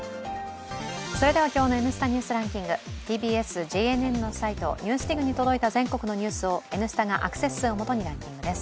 それでは、今日の「Ｎスタ・ニュースランキング」、ＴＢＳ・ＪＮＮのニュースサイト「ＮＥＷＳＤＩＧ」に届いた全国のニュースを「Ｎスタ」がアクセス数をもとにランキングです。